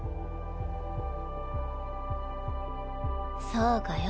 そうかよ。